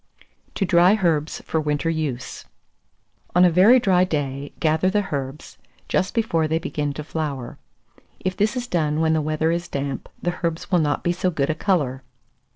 TO DRY HERBS FOR WINTER USE. 445. On a very dry day, gather the herbs, just before they begin to flower. If this is done when the weather is damp, the herbs will not be so good a colour.